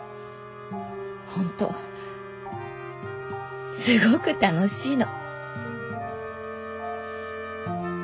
本当すごく楽しいの。